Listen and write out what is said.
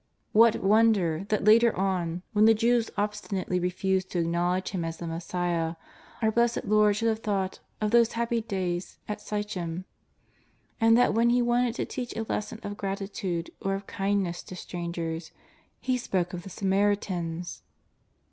'' What wonder that later on when the Jews obstinately refused to acknowledge Him as the Messiah, our Blessed Lord should have thought of those happy days at Sichem, and that when He wanted to teach a lesson of gratitude or of kindness to strangers. He spoke of the Samaritans